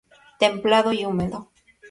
Templado y húmedo.